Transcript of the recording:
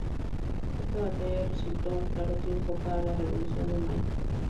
Esta batalla resultó un claro triunfo para la Revolución de Mayo.